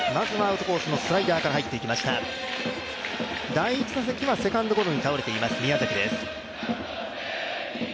第１打席はセカンドゴロに倒れています、宮崎です。